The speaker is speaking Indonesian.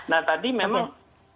nah tadi memang